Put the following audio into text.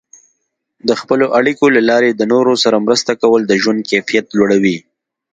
د خپلو اړیکو له لارې د نورو سره مرسته کول د ژوند کیفیت لوړوي.